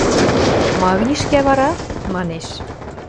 – Ма книжкӓ вара? – манеш.